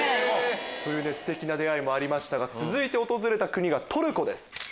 ステキな出合いもありましたが続いて訪れた国がトルコです。